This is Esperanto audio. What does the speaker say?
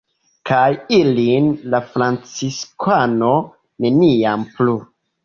Kaj ilin la franciskano neniam plu!